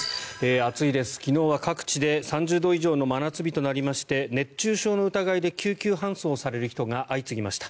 暑いです、昨日は各地で３０度以上の真夏日となりまして熱中症の疑いで救急搬送される人が相次ぎました。